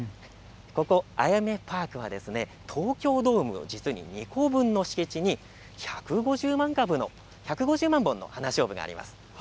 あやめパークは東京ドームの実に２個分の敷地に１５０万本のハナショウブがあります。